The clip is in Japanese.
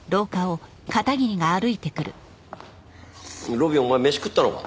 路敏お前飯食ったのか？